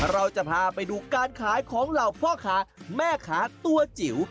เราจะพาไปดูการขายของเหล่าพ่อค้าแม่ค้าตัวจิ๋ว